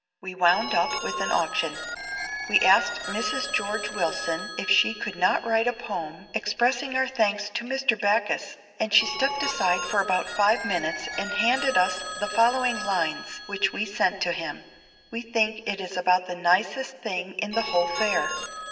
We wound up with an auction. We asked Mrs. George Willson if she could not write a poem expressing our thanks to Mr. Backus and she stepped aside for about five minutes and handed us the following lines which we sent to him. We think it is about the nicest thing in the whole fair.